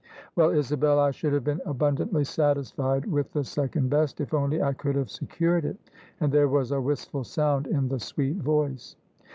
"Well, Isabel, I should have been abundantly satisfied with the second best, if only I could have secured it." And there was a wistful sound in the sweet voice.